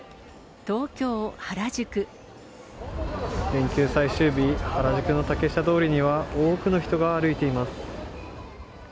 連休最終日、原宿の竹下通りには、多くの人が歩いています。